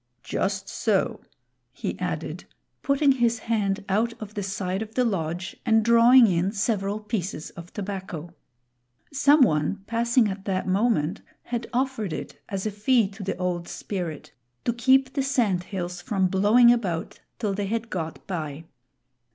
Just so," he added, putting his hand out of the side of the lodge and drawing in several pieces of tobacco. Some one passing at that moment had offered it as a fee to the Old Spirit, to keep the sand hills from blowing about till they had got by.